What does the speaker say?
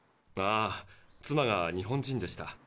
ああ妻が日本人でした。